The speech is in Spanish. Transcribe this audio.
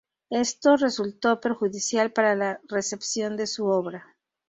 Esto resultó perjudicial para la recepción de su obra.